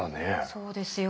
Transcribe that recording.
そうですよね。